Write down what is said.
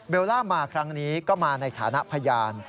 ล่ามาครั้งนี้ก็มาในฐานะพยาน